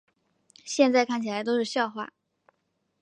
现在看起来都是笑话